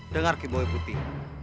dengar kiboy putih